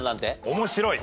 面白い。